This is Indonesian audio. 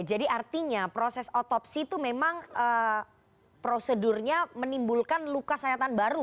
jadi artinya proses otopsi itu memang prosedurnya menimbulkan luka sayatan baru